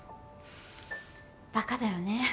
バカだよね。